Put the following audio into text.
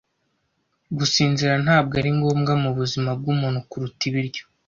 Gusinzira ntabwo ari ngombwa mubuzima bwumuntu kuruta ibiryo.